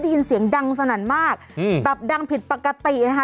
ได้ยินเสียงดังสนั่นมากอืมแบบดังผิดปกตินะคะ